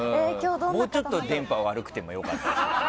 もうちょっと電波悪くても良かった。